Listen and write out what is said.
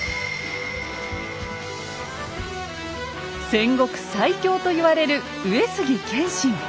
戦国最強と言われる上杉謙信。